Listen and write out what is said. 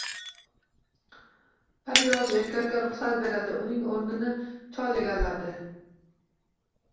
Bir yosh erkakka ruxsat berildi, uning o`rnini chol egalladi